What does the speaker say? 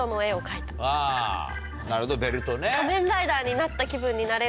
なるほどベルトね。